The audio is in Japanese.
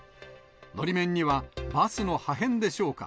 のり面にはバスの破片でしょうか。